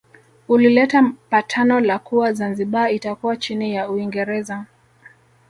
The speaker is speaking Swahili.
Ulileta patano la kuwa Zanzibar itakuwa chini ya Uingereza